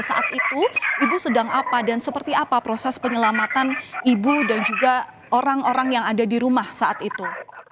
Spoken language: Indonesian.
saat itu ibu sedang apa dan seperti apa proses penyelamatan ibu dan juga orang orang yang ada di rumah saat itu